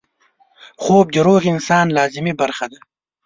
خوب د روغ انسان لازمي برخه ده